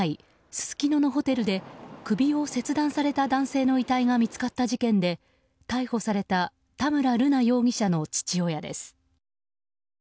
すすきののホテルで首を切断された男性の遺体が見つかった事件で逮捕された田村瑠奈容疑者の父親です。